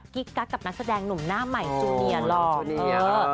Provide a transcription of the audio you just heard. กิ๊กกั๊กกับนักแสดงหนุ่มหน้าใหม่จูเนียรอบเออ